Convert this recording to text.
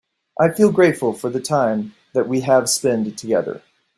I feel grateful for the time that we have spend together.